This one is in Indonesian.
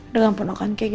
udah gak pernah makan kek